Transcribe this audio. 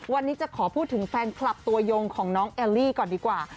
วันนี้จะขอพูดถึงแฟนคลับตัวยงของน้องแอลลี่ก่อนดีกว่า